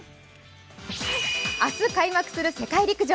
明日開幕する世界陸上。